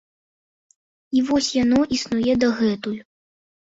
І вось яно існуе дагэтуль.